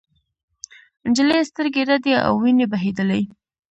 نجلۍ سترګې رډې او وینې بهېدلې.